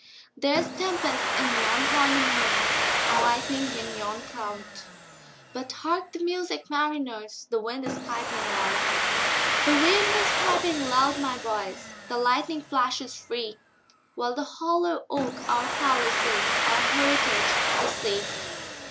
There's tempest in yon hornèd moon, And lightning in yon cloud:But hark the music, mariners! The wind is piping loud; The wind is piping loud, my boys, The lightning flashes free—While the hollow oak our palace is, Our heritage the sea.